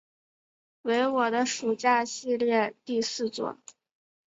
为我的暑假系列第四作。